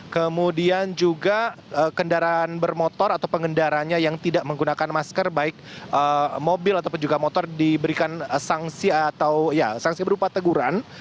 kemudian juga kendaraan bermotor atau pengendaranya yang tidak menggunakan masker baik mobil ataupun juga motor diberikan sanksi atau ya sanksi berupa teguran